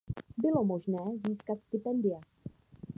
Bylo možné získat stipendia.